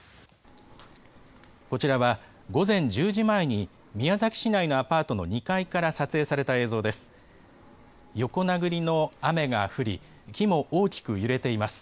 こちらは午前１０時前に、宮崎市内のアパートの２階から撮影された映像です。